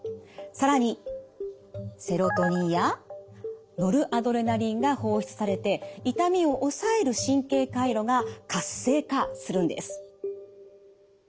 更にセロトニンやノルアドレナリンが放出されて痛みを抑える神経回路が活性化するんです。